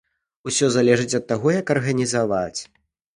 Усё залежыць ад таго як арганізаваць.